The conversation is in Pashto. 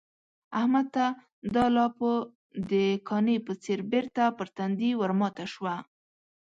احمد ته دا لاپه د کاني په څېر بېرته پر تندي ورماته شوه.